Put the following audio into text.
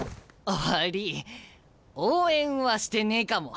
悪い応援はしてねえかも。